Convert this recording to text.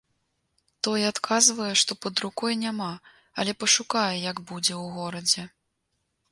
Той адказвае, што пад рукой няма, але пашукае, як будзе ў горадзе.